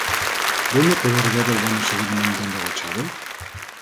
¿Vouno poder ver ou vano seguir mantendo agochado?